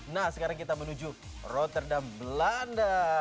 nah sekarang kita menuju rotterdam belanda